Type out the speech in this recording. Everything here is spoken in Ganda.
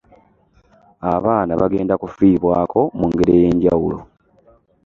Abaana bagenda kufiibwako mu ngeri ey'enjawulo.